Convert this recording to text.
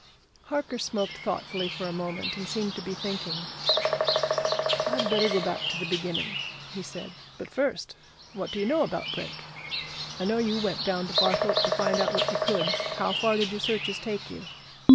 Harker smoked thoughtfully for a moment and seemed to be thinking. "I'd better go back to the beginning," he said. "But, first what do you know about Brake? I know you went down to Barthorpe to find out what you could how far did your searches take you?"